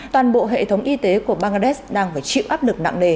toàn bộ hệ thống y tế của bangladesh đang phải chịu áp lực nặng nề